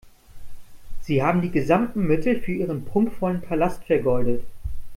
Sie haben die gesamten Mittel für Ihren prunkvollen Palast vergeudet.